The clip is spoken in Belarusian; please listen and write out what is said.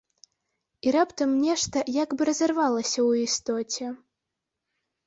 І раптам нешта як бы разарвалася ў істоце.